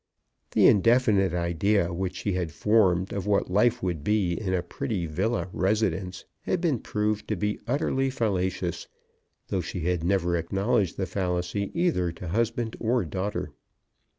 The indefinite idea which she had formed of what life would be in a pretty villa residence had been proved to be utterly fallacious, though she had never acknowledged the fallacy either to husband or daughter.